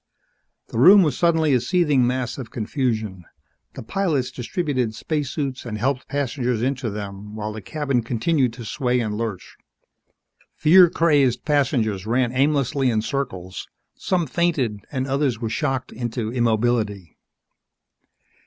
The room was suddenly a seething mass of confusion. The pilots distributed spacesuits and helped passengers into them while the cabin continued to sway and lurch. Fear crazed passengers ran aimlessly in circles. Some fainted and others were shocked into immobility.